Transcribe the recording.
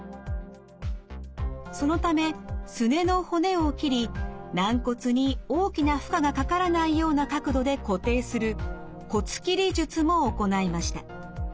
そのためすねの骨を切り軟骨に大きな負荷がかからないような角度で固定する骨切り術も行いました。